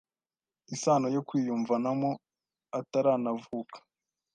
isano yo kwiyumvanamo ataranavuka.